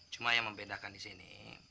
cuma yang membedakan disini